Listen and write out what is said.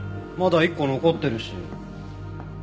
まだ１個残ってるし。